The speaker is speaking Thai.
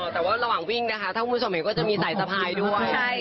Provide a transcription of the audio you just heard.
แต่กว่าระหวังวิ่งนะคะถ้ามุคสมเห็นก็จะมีใสสระพายด้วย